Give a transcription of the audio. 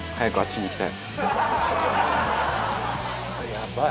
やばい！